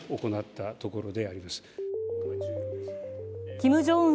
キム・ジョンウン